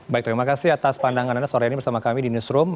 baik terima kasih atas pandangan anda sore ini bersama kami di newsroom